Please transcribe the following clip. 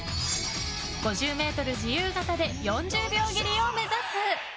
５０ｍ自由形で４０秒切りを目指す。